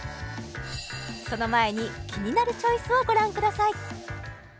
その前に「キニナルチョイス」をご覧ください